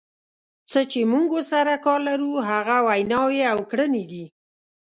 څه چې موږ ورسره کار لرو هغه ویناوې او کړنې دي.